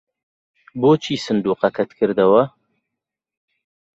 بۆچی سندووقەکەت کردەوە؟